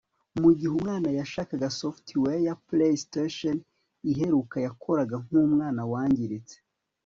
Mugihe umwana yashakaga software ya PlayStation iheruka yakoraga nkumwana wangiritse